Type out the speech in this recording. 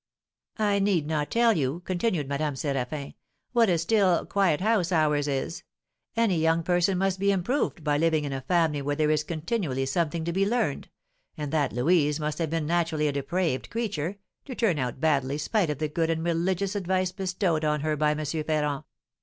"I need not tell you," continued Madame Séraphin, "what a still, quiet house ours is; any young person must be improved by living in a family where there is continually something to be learned; and that Louise must have been naturally a depraved creature, to turn out badly spite of the good and religious advice bestowed on her by M. Ferrand."